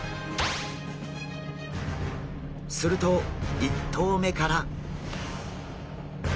すると１投目から。